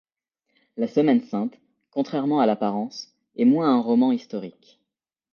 La Semaine sainte, contrairement à l'apparence, est moins un roman historique.